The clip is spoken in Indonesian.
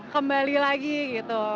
kembali lagi gitu